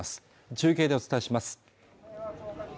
中継でお伝えします